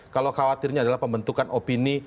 kalau khawatirnya adalah pembentukan opini